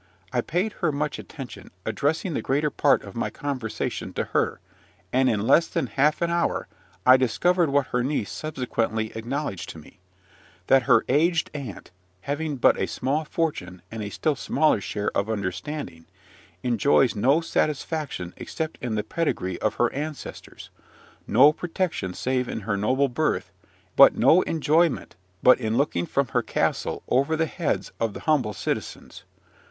I paid her much attention, addressing the greater part of my conversation to her; and, in less than half an hour, I discovered what her niece subsequently acknowledged to me, that her aged aunt, having but a small fortune, and a still smaller share of understanding, enjoys no satisfaction except in the pedigree of her ancestors, no protection save in her noble birth, and no enjoyment but in looking from her castle over the heads of the humble citizens.